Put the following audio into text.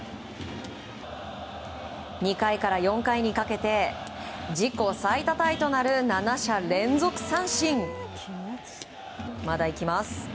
２回から４回にかけて自己最多タイとなる７者連続三振。